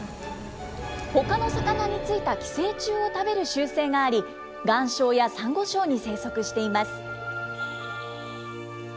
ほかの魚についた寄生虫を食べる習性があり、岩礁やサンゴ礁に生息しています。